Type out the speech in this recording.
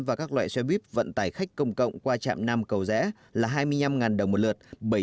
và các loại xe buýt vận tải khách công cộng qua trạm nam cầu rẽ là hai mươi năm đồng một lượt